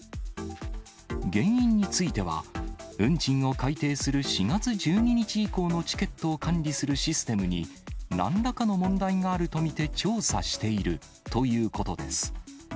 原因については、運賃を改定する４月１２日以降のチケットを管理するシステムになんらかの問題があると見て調査しているということです。